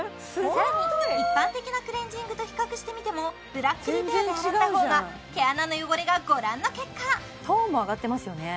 さらに一般的なクレンジングと比較してみてもブラックリペアで洗ったほうが毛穴の汚れがご覧の結果トーンも上がってますよね